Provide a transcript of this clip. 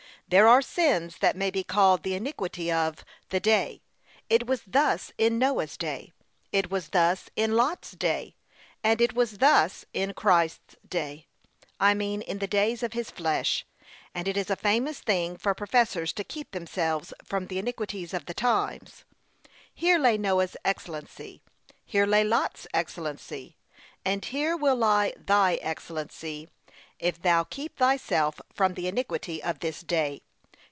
There are sins that may be called the iniquity of the day. It was thus in Noah's day, it was thus in Lot's day, and it was thus in Christ's day I mean, in the days of his flesh: and it is a famous thing for professors to keep themselves from the iniquities of the times. Here lay Noah's excellency, here lay Lot's excellency, and here will lie thy excellency, if thou keep thyself from the iniquity of this day.